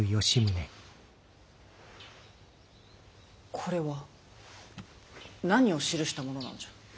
これは何を記したものなのじゃ。